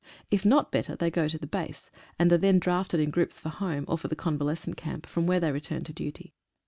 If not better they go to the base, and are then drafted in groups for home, or for the convalescent camp, from where they return to duty